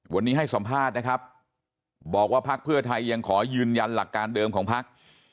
วันนี้ให้สัมภาษณ์นะครับบอกว่าพักเพื่อไทยยังขอยืนยันหลักการเดิมของพัก